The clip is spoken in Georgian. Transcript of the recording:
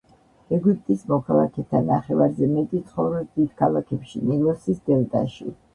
ეგვიპტის მოქალაქეთა ნახევარზე მეტი ცხოვრობს დიდ ქალაქებში ნილოსის დელტაში.